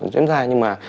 dễ dàng nhưng mà